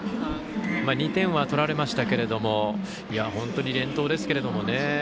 ２点は取られましたけど本当に連投ですけれどもね。